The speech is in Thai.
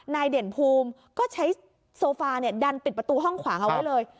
เด่นภูมิก็ใช้โซฟาดันปิดประตูห้องขวางเอาไว้เลย